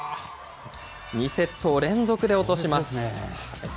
２セットを連続で落とします。